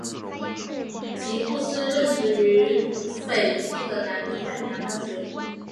吉布斯任职于位于斐济的南太平洋大学。